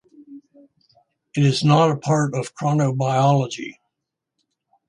It is not a part of chronobiology.